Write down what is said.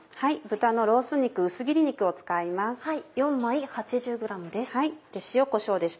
豚のロース肉薄切り肉を使います。